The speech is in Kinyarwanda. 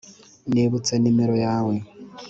nibutse numero yawe.